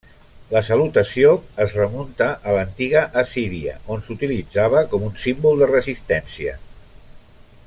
La salutació es remunta a l'antiga Assíria on s'utilitzava com un símbol de resistència.